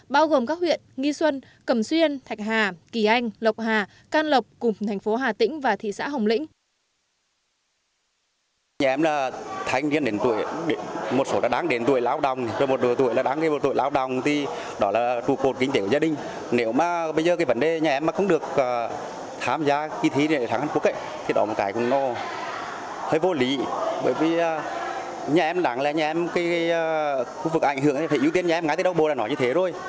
bao gồm các huyện nghi xuân cầm xuyên thạch hà kỳ anh lộc hà can lộc cùng thành phố hà tĩnh và thị xã hồng lĩnh